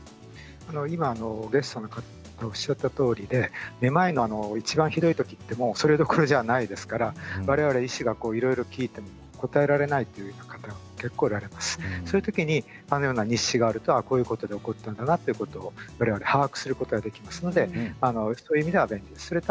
今おっしゃったとおりでめまいでいちばんひどい時それどころじゃないですから我々医師がいろいろ聞いても答えられないという方が結構おられますし、そういうときにあのようなに日誌があるとこういうことで起こったんだなということ、我々把握することができますのでそういう意味ではいいです。